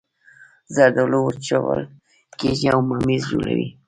زردالو وچول کیږي او ممیز جوړوي